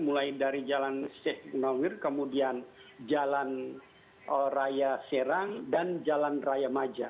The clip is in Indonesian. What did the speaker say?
mulai dari jalan syekh nowir kemudian jalan raya serang dan jalan raya maja